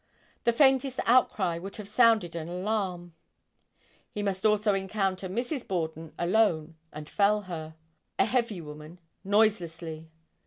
The faintest outcry would have sounded an alarm. He must also encounter Mrs. Borden alone and fell her, a heavy woman, noiselessly.